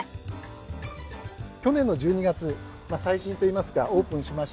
去年の１２月最新といいますかオープンしました。